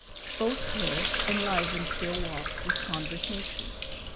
Both pairs enlivened their walk with conversation.